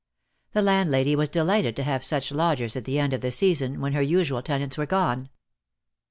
The landlady was de lighted to have such lodgers at the end of the season, when her usual tenants were gone.